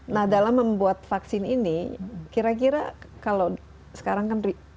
nah dalam membuat vaksin ini kira kira kalau sekarang kan sibuk banget ya